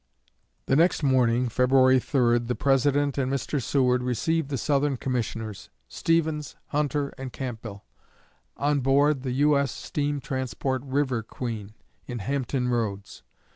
The next morning (February 3) the President and Mr. Seward received the Southern Commissioners Stephens, Hunter, and Campbell on board the U.S. steam transport "River Queen" in Hampton Roads.